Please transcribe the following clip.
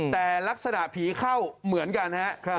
แต่ลักษณะผีเข้าเหมือนกันฮะ